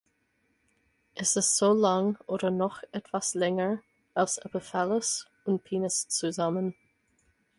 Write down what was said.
Es ist so lang oder noch etwas länger als Epiphallus und Penis zusammen.